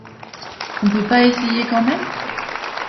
On peut pas essayer quand même?